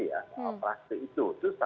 dan yang kedua